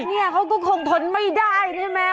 เนี่ยเขาก็คงทนไม่ได้ใช่ไหม